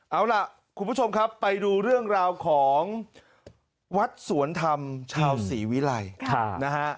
เอาล่ะคุณผู้ชมครับไปดูเรื่องราวของวัดสวนธรรมชาวศรีวิรัยนะฮะ